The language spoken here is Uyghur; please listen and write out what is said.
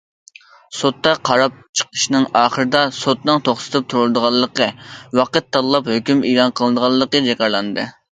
سوتتا قاراپ چىقىشنىڭ ئاخىرىدا، سوتنىڭ توختىتىپ تۇرۇلىدىغانلىقى، ۋاقىت تاللاپ ھۆكۈم ئېلان قىلىنىدىغانلىقى جاكارلاندى.